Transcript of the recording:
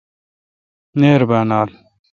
نیر با نال۔